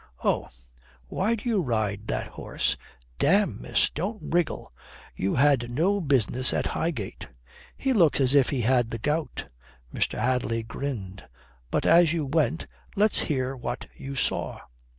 "Oh. Why do you ride that horse?" "Damme, miss, don't wriggle. You had no business at Highgate!" "He looks as if he had the gout." Mr. Hadley grinned. "But as you went, let's hear what you saw."